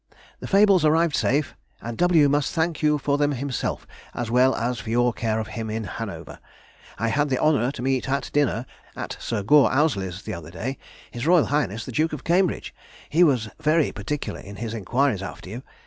The Fables arrived safe, and W. must thank you for them himself, as well as for your care of him in Hanover. I had the honour to meet at dinner, at Sir Gore Ouseley's, the other day, H.R.H. the Duke of Cambridge. He was very particular in his enquiries after you.